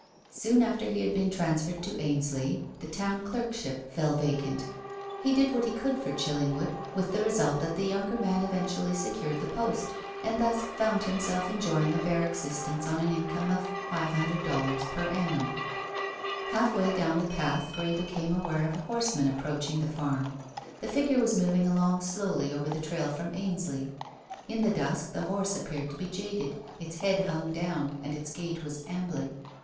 Soon after he had been transferred to Ainsley the Town Clerkship fell vacant. He did what he could for Chillingwood, with the result that the younger man eventually secured the post, and thus found himself enjoying a bare existence on an income of $500 per annum. Halfway down the path Grey became aware of a horseman approaching the farm. The figure was moving along slowly over the trail from Ainsley. In the dusk the horse appeared to be jaded; its head hung down, and its gait was ambling.